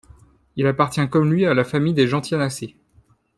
Il appartient comme lui à la famille des Gentianacées.